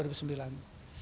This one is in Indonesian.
lebih lima tahun